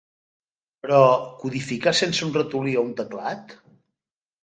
Però codificar sense un ratolí o un teclat?